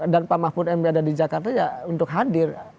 dan pak mahfud m b ada di jakarta ya untuk hadir